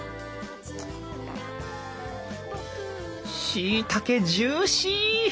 しいたけジューシー！